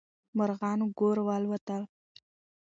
مارغان ګور والوتل.